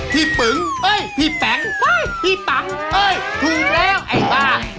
ปึ๋งเอ้ยพี่แป๋งพี่ปังเอ้ยถูกแล้วไอ้บ้า